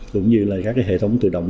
cũng như các hệ thống tự động